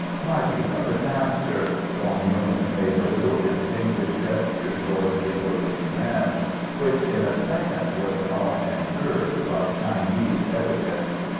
"My beloved Master!" Dong Yung made a little instinctive gesture toward the approaching man, which in a second was caught and curbed by Chinese etiquette.